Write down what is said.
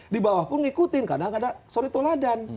di bawah pun mengikuti karena tidak ada suri toladan